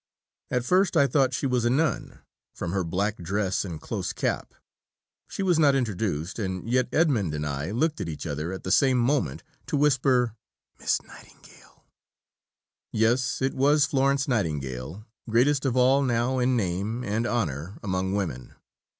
At first I thought she was a nun, from her black dress and close cap. She was not introduced, and yet Edmund and I looked at each other at the same moment to whisper Miss Nightingale. Yes, it was Florence Nightingale, greatest of all now in name and honour among women.